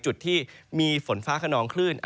จุดที่มีฝนฟ้าขนองคลื่น